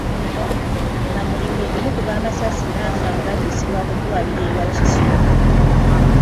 Mamuli kwe kumukuba amasasi n'afa ng'addusibwa mu ddwaliro e Wakiso.